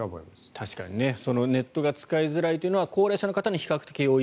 確かにネットが使いづらいというのは高齢者の方に比較的多い。